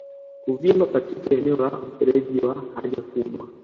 Kuvimba katika eneo la mfereji wa haja kubwa